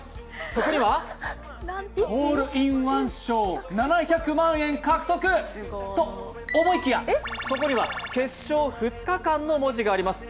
そこにはホールインワン賞７００万円獲得と思いきや、そこには決勝２日間の文字があります。